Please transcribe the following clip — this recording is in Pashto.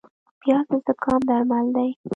پیاز د زکام درمل دی